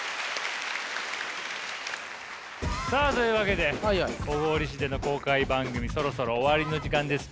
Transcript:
さあというわけで小郡市での公開番組そろそろ終わりの時間です。